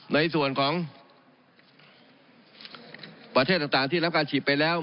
ในส่วนของประเทศต่างที่รับการฉีดไปแล้ว